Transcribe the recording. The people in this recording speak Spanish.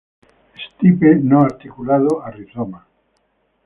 Stipe no articulado a rizoma.